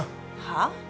はあ？